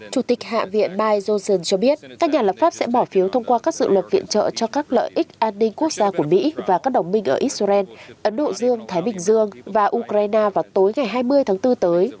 chủ tịch hạ viện mike johnson cho biết các nhà lập pháp sẽ bỏ phiếu thông qua các dự luật viện trợ cho các lợi ích an ninh quốc gia của mỹ và các đồng minh ở israel ấn độ dương thái bình dương và ukraine vào tối ngày hai mươi tháng bốn tới